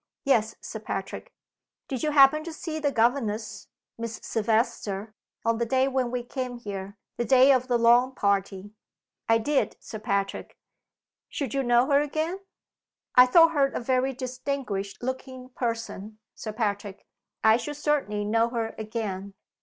"Yes, Sir Patrick." "Did you happen to see the governess (Miss Silvester) on the day when we came here the day of the lawn party?" "I did, Sir Patrick." "Should you know her again?" "I thought her a very distinguished looking person, Sir Patrick. I should certainly know her again."